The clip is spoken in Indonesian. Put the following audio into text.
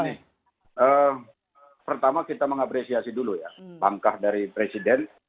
jadi begini pertama kita mengapresiasi dulu ya bangkah dari presiden